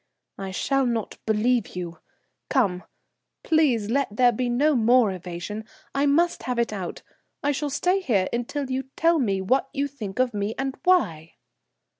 "I shall not believe you. Come, please, let there be no more evasion. I must have it out. I shall stay here until you tell me what you think of me, and why."